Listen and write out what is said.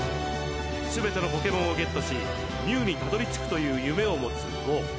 すべてのポケモンをゲットしミュウにたどりつくという夢を持つゴウ。